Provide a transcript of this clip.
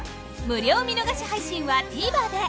無料見逃し配信は ＴＶｅｒ で